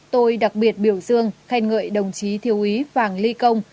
tôi đặc biệt biểu dương khen ngợi đồng chí thiếu úy vàng ly công